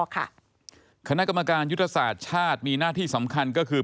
คณะกรรมการยุทธศาสตร์ชาติมีหน้าที่สำคัญก็คือ